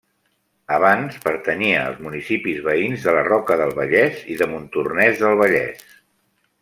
Abans pertanyia als municipis veïns de La Roca del Vallès i de Montornès del Vallès.